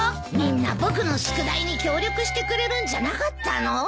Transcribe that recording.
みんな僕の宿題に協力してくれるんじゃなかったの？